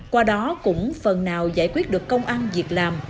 qua đó cũng phần nào giải quyết được công ăn việc làm